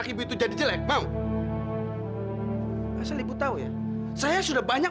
kita telepon papa mau gak